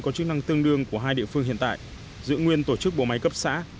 có chức năng tương đương của hai địa phương hiện tại giữ nguyên tổ chức bộ máy cấp xã